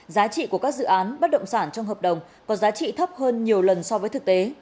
giá trị của các dự án bất động sản trong hợp đồng có giá trị thấp hơn nhiều lần so với thực tế